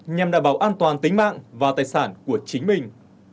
nhằm đảm bảo an toàn tính mạng và tài sản của chính mình